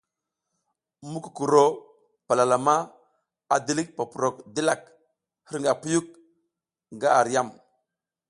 Mukukuro palalama a dilik poprok dilak hirnga puyuk nga ar yam.